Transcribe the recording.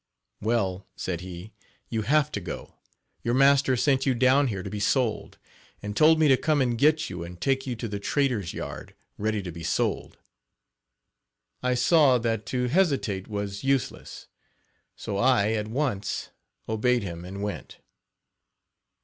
"Well," said he, "you have got to go. Your master sent you down here to be sold, and told me to come and get you and take you to the trader's yard, ready to be sold." I saw that to hesitate was useless; so I at once obeyed him and went.